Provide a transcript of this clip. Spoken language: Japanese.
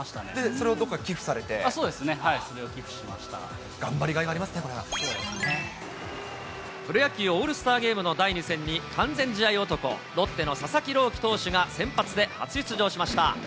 それを寄付しま頑張りがいがありますね、プロ野球・オールスターゲームの第２戦に完全試合男、ロッテの佐々木朗希投手が先発で初出場しました。